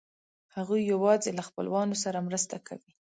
هغوی یواځې له خپلوانو سره مرسته کوي.